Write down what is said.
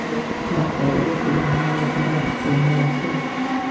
আর পদ্মাবতী নামে রাজার এক কন্যা আছেন।